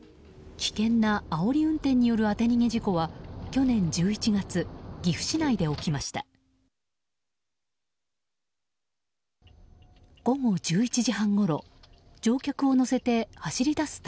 危険なあおり運転による当て逃げ事故は去年１１月岐阜市内で起きました。